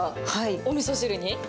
おみそ汁に？